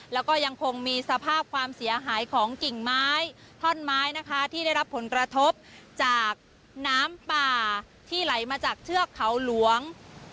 แล้วก็ยังคงมีสภาพความเสียหายของกิ่งไม้ท่อนไม้นะคะที่ได้รับผลกระทบจากน้ำป่าที่ไหลมาจากเทือกเขาหลวง